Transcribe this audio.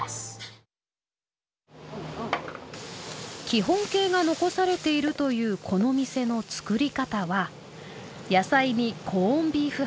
基本形が残されているというこの店の作り方は野菜にコンビーフ